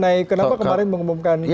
nah ini mengenai kenapa kemarin mengumumkan